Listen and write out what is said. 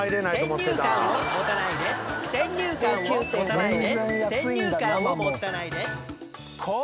「先入観を持たないで先入観を持たないで」